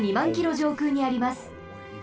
じょうくうにあります。